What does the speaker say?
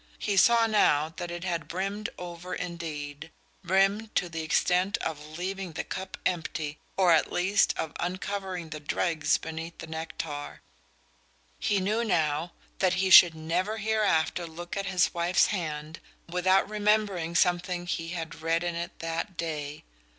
He saw now that it had brimmed over indeed: brimmed to the extent of leaving the cup empty, or at least of uncovering the dregs beneath the nectar. He knew now that he should never hereafter look at his wife's hand without remembering something he had read in it that day.